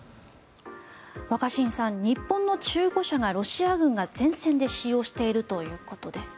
若新さん日本の中古車がロシア軍が前線で使用しているということです。